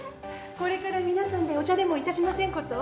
これから皆さんでお茶でもいたしませんこと？